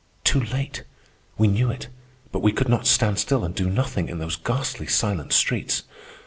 Too late! We knew it. But we could not stand still and do nothing in those ghastly, silent streets.